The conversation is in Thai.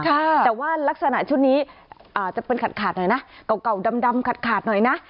แต่ว่ารักษณะชุดนี้อาจจะเป็นขาดขาดหน่อยนะเก่าดำขาดขาดหน่อยนะ